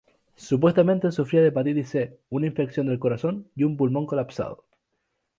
Supuestamente sufría de hepatitis C, una infección del corazón y un pulmón colapsado.